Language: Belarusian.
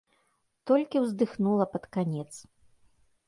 Толькі ўздыхнула пад канец.